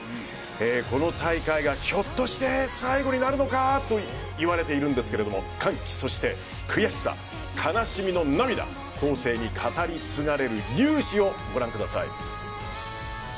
この大会がひょっとして最後になるのかといわれているんですが歓喜、そして悔しさ悲しみの涙後世に語り継がれる雄姿をご覧ください。